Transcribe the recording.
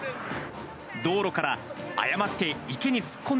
道路から誤って池に突っ込ん